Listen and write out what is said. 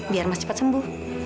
biar mas cepat sembuh